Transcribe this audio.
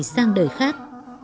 sang đời khác